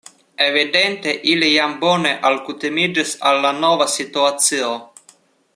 Evidente ili jam bone alkutimiĝis al la nova situacio.